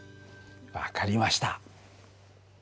分かりました。